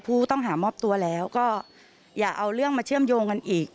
ผู้ต้องหามอบตัวแล้วก็อย่าเอาเรื่องมาเชื่อมโยงกันอีก